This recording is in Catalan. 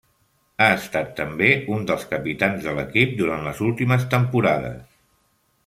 Ha estat també un dels capitans de l'equip durant les últimes temporades.